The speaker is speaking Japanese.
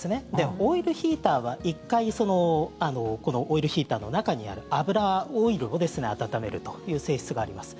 オイルヒーターは１回このオイルヒーターの中にある油、オイルを温めるという性質があります。